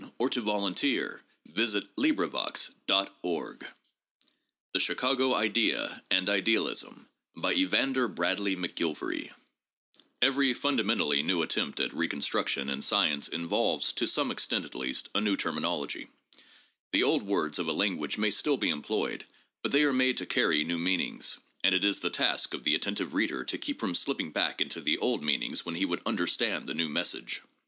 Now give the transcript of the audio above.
V. No. 22. October 22, 1908. The Journal of Philosophy Psychology and Scientific Methods THE CHICAGO "IDEA" AND IDEALISM EVERY fundamentally new attempt at reconstruction in science involves, to some extent at least, a new terminology. The old words of a language may still be employed, but they are made to carry new meanings, and it is the task of the attentive reader to keep from slipping back into the old meanings when he would understand the new message.